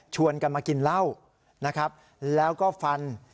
กันมากินเหล้านะครับแล้วก็ฟัน